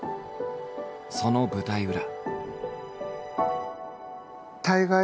その舞台裏。